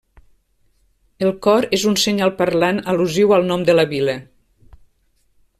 El cor és un senyal parlant al·lusiu al nom de la vila.